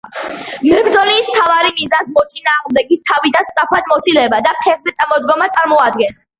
მებრძოლის მთავარი მიზანს მოწინააღმდეგის თავიდან სწრაფად მოცილება და ფეხზე წამოდგომა წარმოადგენს.